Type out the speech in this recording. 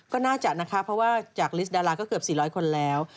ก็น่าจะนะคะเพราะว่าจากลิสต์ดาราก็เกือบ๔๐๐คนแล้ว